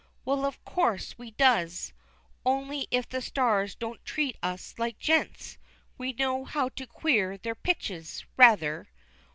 _ Well, of course, we does, only if the stars don't treat us like gents, we knows how to queer their pitches: rather!